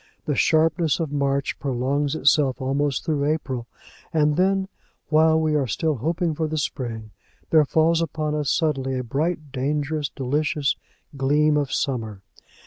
The sharpness of March prolongs itself almost through April; and then, while we are still hoping for the spring, there falls upon us suddenly a bright, dangerous, delicious gleam of summer.